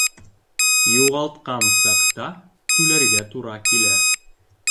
Юғалтҡан саҡта түләргә тура килә.